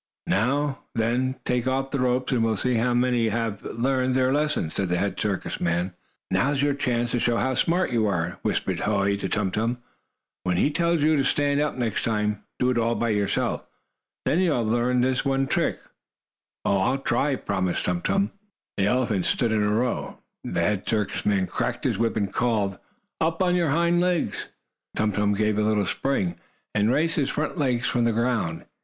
"Now then, take off the ropes, and we'll see how many have learned their lesson," said the head circus man. "Now's your chance to show how smart you are," whispered Hoy to Tum Tum. "When he tells you to stand up next time, do it all by yourself. Then you'll have learned this one trick." "I'll try," promised Tum Tum. The elephants stood in a row. The head circus man cracked his whip, and called: "Up on your hind legs!" Tum Tum gave a little spring, and raised his front legs from the ground.